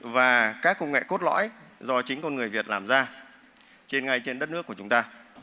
và các công nghệ cốt lõi do chính con người việt làm ra ngay trên đất nước của chúng ta